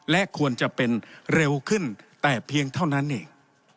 และควรจะเป็นเร็วขึ้นแต่เพียงเท่านั้นเอง